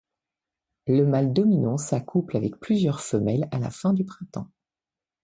Le mâle dominant s’accouple avec plusieurs femelles à la fin du printemps.